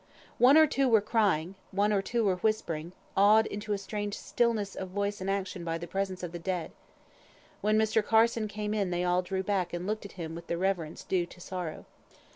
_ One or two were crying; one or two were whispering; awed into a strange stillness of voice and action by the presence of the dead. When Mr. Carson came in they all drew back and looked at him with the reverence due to sorrow.